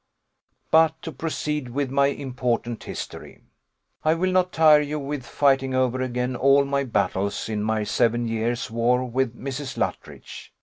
"But to proceed with my important history. I will not tire you with fighting over again all my battles in my seven years' war with Mrs. Luttridge.